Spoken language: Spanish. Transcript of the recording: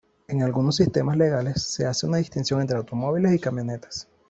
En algunos sistemas legales, se hace una distinción entre automóviles y camionetas.